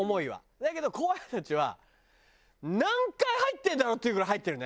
だけど後輩たちは何回入ってるんだろう？っていうぐらい入ってるね。